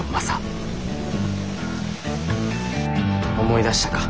思い出したか。